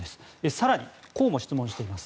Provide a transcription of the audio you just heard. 更にこうも質問しています。